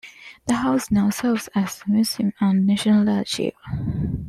The house now serves as a museum and a national archive.